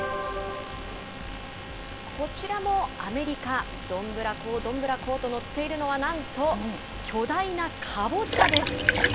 こちらもアメリカ、どんぶらこ、どんぶらこと乗っているのはなんと、巨大なかぼちゃです。